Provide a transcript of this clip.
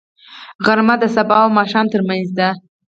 غرمه د سبا او ماښام ترمنځ دی